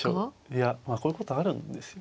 いやまあこういうことあるんですよ。